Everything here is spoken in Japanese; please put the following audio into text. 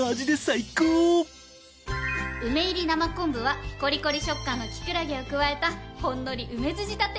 梅入り生昆布はコリコリ食感のキクラゲを加えたほんのり梅酢仕立て。